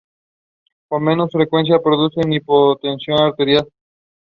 Munchkin!